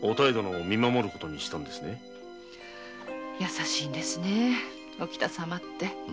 優しいんですね沖田様って。